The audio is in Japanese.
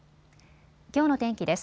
きょうの天気です。